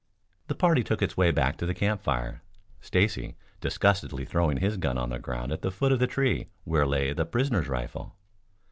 The party took its way back to the campfire, Stacy disgustedly throwing his gun on the ground at the foot of the tree where lay the prisoner's rifle.